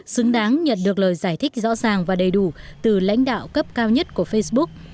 xứng đáng nhận được lời giải thích rõ ràng và đầy đủ từ lãnh đạo cấp cao nhất của facebook